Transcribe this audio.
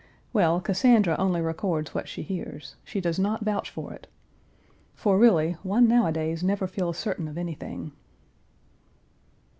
Well, Cassandra only records what she hears; she does not vouch for it. For really, one nowadays never feels certain of anything.